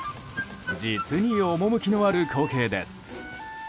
実に趣のある光景です。